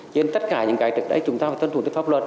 nhưng tất cả những cái trực đấy chúng ta phải tân thủ tới pháp luật